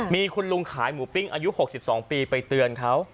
มีคุณลุงขายหมูปิ้งอายุ๖๒ปีไปเตือนเขา